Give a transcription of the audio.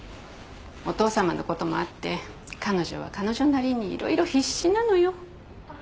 お父さまのこともあって彼女は彼女なりに色々必死なのよ。